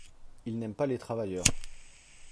Ils n’aiment pas les travailleurs.